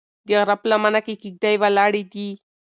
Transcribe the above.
د غره په لمنه کې کيږدۍ ولاړې دي.